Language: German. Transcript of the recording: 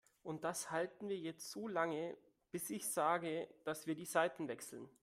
Und das halten wir jetzt so lange, bis ich sage, dass wir die Seiten wechseln.